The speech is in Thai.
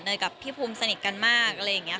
กับพี่ภูมิสนิทกันมากอะไรอย่างนี้